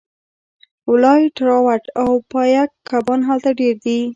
والای ټراوټ او پایک کبان هلته ډیر دي